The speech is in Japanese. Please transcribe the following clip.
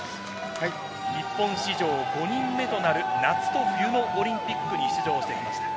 日本史上５人目となる夏と冬のオリンピックに出場してきました。